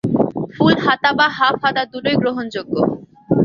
ফুল হাতা বা হাফ হাতা দুটোই গ্রহণযোগ্য।